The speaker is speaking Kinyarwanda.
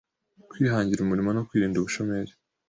kwihangira umurimo no kwirinda ubushomeri